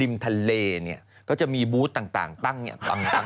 ทะเลเนี่ยก็จะมีบูธต่างตั้งเนี่ยปัง